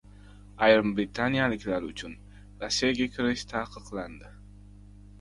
Ayrim britaniyaliklar uchun Rossiyaga kirish taqiqlandi